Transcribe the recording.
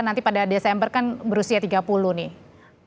nanti pada desember kan berusia tiga puluh nih